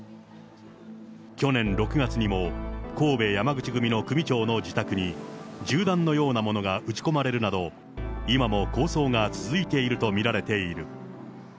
去年６月にも、神戸山口組組長の自宅に銃弾のようなものが撃ち込まれるなど、今も抗争が続いていると見られている。